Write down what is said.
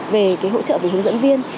về cái hỗ trợ về hướng dẫn viên